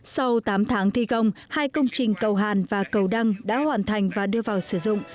sau tám tháng thi công hai công trình cầu hàn và cầu đăng đã hoàn thành và đưa vào sử dụng